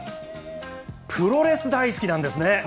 プロレス大好きなんですね。